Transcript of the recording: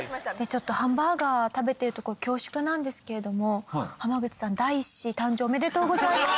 ちょっとハンバーガー食べてるところ恐縮なんですけれども濱口さんなんで今やねん！おめでとうございます！